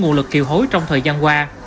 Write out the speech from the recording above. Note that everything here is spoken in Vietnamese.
nguồn lực kiều hối trong thời gian qua